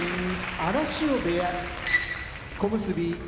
荒汐部屋小結・霧